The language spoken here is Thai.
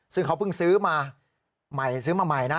ซึ่งเขาเพิ่งซื้อมาใหม่ซื้อมาใหม่นะ